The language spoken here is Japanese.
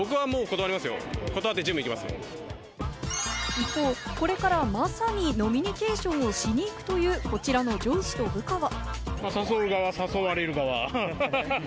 一方、これからまさに飲みニケーションをしに行くという、こちらの上司と部下は。